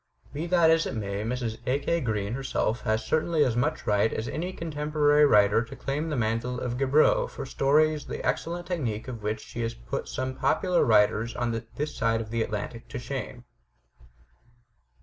Be that as it may, Mrs. A. K. Green herself has certainly as much right as any contem porary writer to claim the mantle of Gaboriau for stories the excellent technique of which should put some popular writers on this side of the Atlantic to shame."